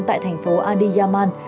tại thành phố adiyaman